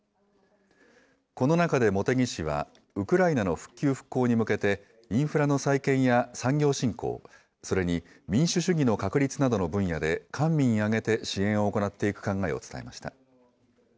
この中で茂木氏は、ウクライナの復旧・復興に向けて、インフラの再建や産業振興、それに民主主義の確立などの分野で、官民挙げて支援を行っていく考えを伝えました。